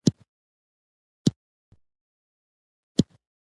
هغه که خوښ و که خپه